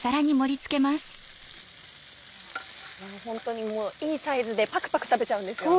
ホントにもういいサイズでパクパク食べちゃうんですよね。